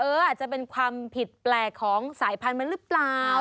อาจจะเป็นความผิดแปลกของสายพันธุ์มันหรือเปล่า